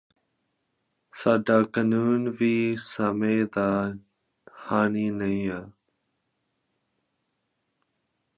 ਸਾਡਾ ਕਾਨੂੰਨ ਵੀ ਸਮੇਂ ਦਾ ਹਾਣੀ ਨਹੀਂ ਹੈ